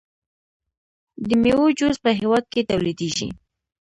د میوو جوس په هیواد کې تولیدیږي.